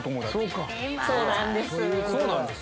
そうなんです。